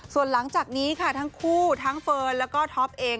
ส่วนหลังจากนี้ค่ะทั้งคู่ทั้งเฟิร์นแล้วก็ท็อปเอง